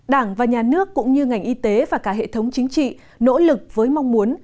đảng và nhà nước cũng như ngành y tế và cả hệ thống chính trị nỗ lực với mong muốn